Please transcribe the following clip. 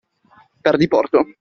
Per diporto?